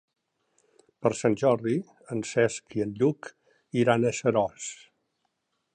Per Sant Jordi en Cesc i en Lluc iran a Seròs.